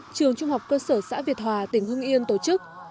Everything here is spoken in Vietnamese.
trường trung học cơ sở xã việt hòa tỉnh hưng yên tổ chức